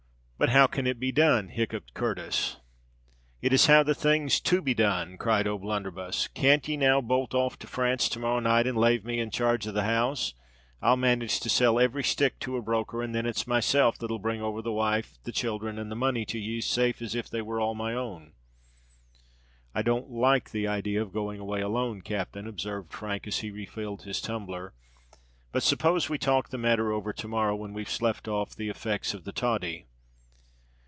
"But—how can it be done?" hiccoughed Curtis. "Is it how the thing's to be done!" cried O'Blunderbuss. "Can't ye, now, bolt off to France to morrow night, and lave me in charge of the house? I'll manage to sell every stick to a broker; and then it's myself that'll bring over the wife, the children, and the money to ye as safe as if they were all my own!" "I don't like the idea of going away alone, captain," observed Frank, as he refilled his tumbler. "But suppose we talk the matter over to morrow—when we've slept off the effects of the toddy!"